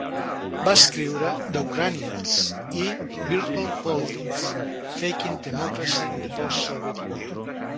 Va escriure 'The Ukrainians' i 'Virtual Politics: Faking Democracy in the Post-Soviet World'.